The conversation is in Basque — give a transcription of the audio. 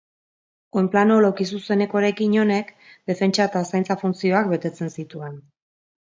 Oinplano laukizuzeneko eraikin honek defentsa eta zaintza funtzioak betetzen zituen.